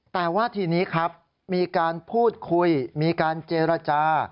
แต่ว่าทีนี้ครับมีการพูดคุยมีการเจรจา